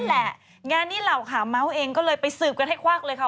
แหละงานนี้เหล่าขาเมาส์เองก็เลยไปสืบกันให้ควักเลยค่ะ